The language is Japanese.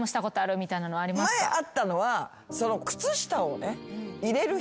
前あったのは。